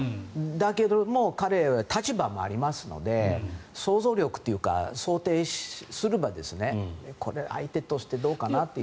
だけども彼、立場もありますので想像力というか想定すれば相手としてどうかなっていう。